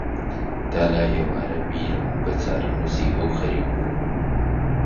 تا لای ئێوارە بیرم بە چارەنووسی ئەو خەریک بوو